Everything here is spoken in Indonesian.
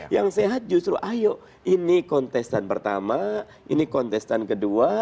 yang sehat justru ayo ini kontestan pertama ini kontestan kedua